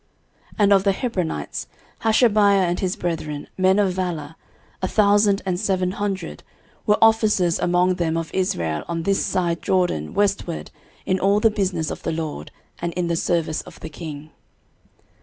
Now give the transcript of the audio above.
13:026:030 And of the Hebronites, Hashabiah and his brethren, men of valour, a thousand and seven hundred, were officers among them of Israel on this side Jordan westward in all the business of the LORD, and in the service of the king.